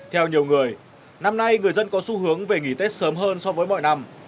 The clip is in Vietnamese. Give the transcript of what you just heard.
theo nhiều người năm nay người dân có xu hướng về nghỉ tết sớm hơn so với mọi năm